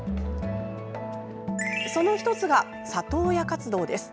その１つが里親活動です。